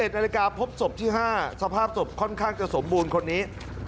๑นาฬิกาพบศพที่๕สภาพศพค่อนข้างจะสมบูรณ์คนนี้